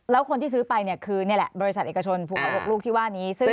แล้วคนที่ซื้อไปคือบริษัทเอกชนภูเกราะห์ลูกลูกที่ว่านี้